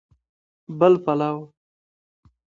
بل پلو